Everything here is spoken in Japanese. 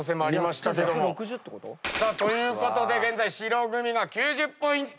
ということで現在白組が９０ポイント